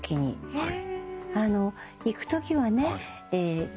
はい。